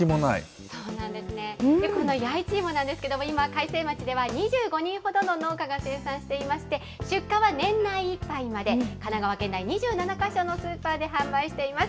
そうなんですね、この弥一芋なんですけれども、今、開成町では２５人ほどの農家が生産していまして、出荷は年内いっぱいまで、神奈川県内２７か所のスーパーで販売しています。